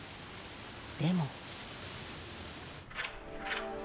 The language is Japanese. でも。